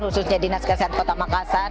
khususnya dinas kesehatan kota makassar